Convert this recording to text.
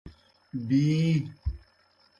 بی۔